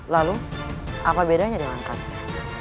lalu apa bedanya dengan kami